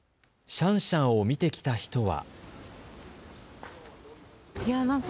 シャンシャンを見てきた人は。